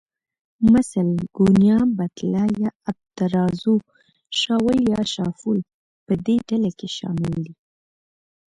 مثلاً، ګونیا، بتله یا آبترازو، شاول یا شافول په دې ډله کې شامل دي.